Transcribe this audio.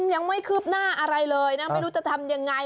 ยังไม่คืบหน้าอะไรเลยนะไม่รู้จะทำยังไง